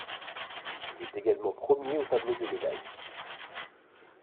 Il est également premier au tableau des médailles.